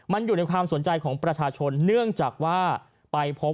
มันอยู่ในความสนใจของประชาชนเนื่องจากว่าไปพบ